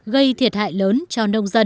gây thiệt hại lớn cho nông dân